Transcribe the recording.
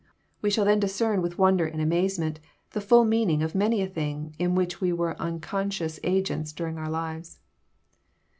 We shall then discern with wonder and amaze ment the tuil meaning of many a thing in which we were nnconscious agents during our lives.